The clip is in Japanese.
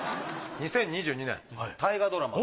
２０２２年大河ドラマ